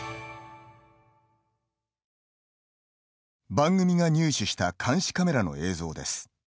番組が入手した監視カメラの映像です。